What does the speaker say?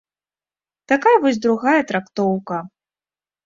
Такая вось другая трактоўка.